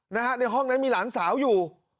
ในห้องนั้นมีหลานสาวอยู่